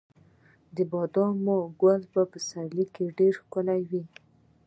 د بادامو ګل په پسرلي کې ډیر ښکلی وي.